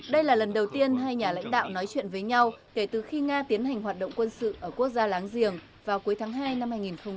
đây là lần đầu tiên hai nhà lãnh đạo nói chuyện với nhau kể từ khi nga tiến hành hoạt động quân sự ở quốc gia láng giềng vào cuối tháng hai năm hai nghìn một mươi chín